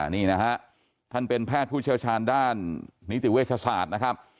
นี่นะฮะท่านเป็นแพทย์ผู้เชี่ยวชาญด้านนิติเวชศาสตร์นะครับ